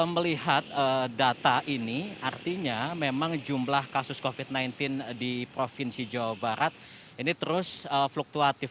melihat data ini artinya memang jumlah kasus covid sembilan belas di provinsi jawa barat ini terus fluktuatif